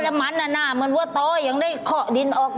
เออแล้วมันน่ะน่ะเหมือนว่าต้อยยังได้ขอกดินออกไหม